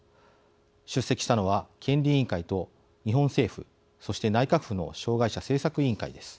出席したのは権利委員会と日本政府そして内閣府の障害者政策委員会です。